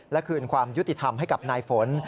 และคืนความยุติธรรมให้กับนายฝน